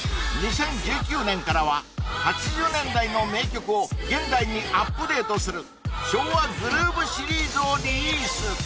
２０１９年からは８０年代の名曲を現代にアップデートする昭和グルーヴシリーズをリリース！